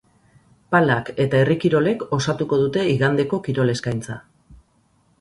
Palak eta herri kirolek osatuko dute igandeko kirol eskaintza.